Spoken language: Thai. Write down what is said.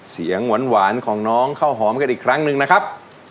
เสียงหวานของน้องข้าวหอมกันอีกครั้งหนึ่งนะครับ